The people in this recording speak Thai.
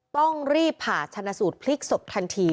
ต้องรีบผ่าชนะสูตรพลิกศพทันที